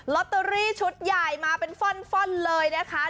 ลอตเตอรี่ชุดใหญ่มาเป็นฟ่อนเลยนะคะ